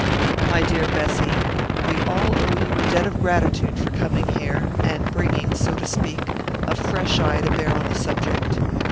"My dear Bessy, we all owe you a debt of gratitude for coming here, and bringing, so to speak, a fresh eye to bear on the subject.